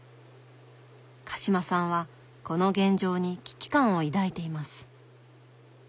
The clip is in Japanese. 鹿島さんはこの現状に危機感を抱いています。